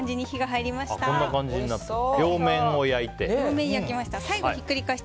両面を焼いて。